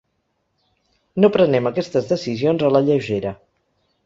No prenem aquestes decisions a la lleugera.